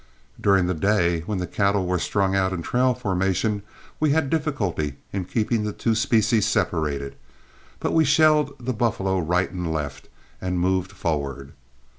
During the day, when the cattle were strung out in trail formation, we had difficulty in keeping the two species separated, but we shelled the buffalo right and left and moved forward.